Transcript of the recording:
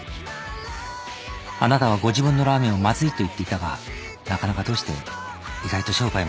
「あなたはご自分のラーメンをまずいと言っていたがなかなかどうして意外と商売も向いてると思うよ」